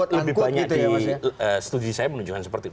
lebih banyak di studi saya menunjukkan seperti itu